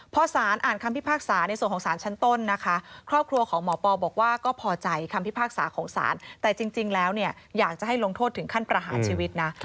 พอสารอ่านคำพิพากษาในส่วนของสารชั้นต้นนะคะครอบครัวของหมอปอบอกว่าก็พอใจคำพิพากษาของศาลแต่จริงแล้วเนี่ยอยากจะให้ลงโทษถึงขั้นประหารชีวิตนะ